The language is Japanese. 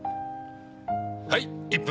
はい１分！